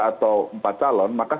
atau empat calon maka